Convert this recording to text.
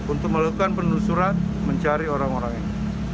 untuk melakukan penelusuran mencari orang orang ini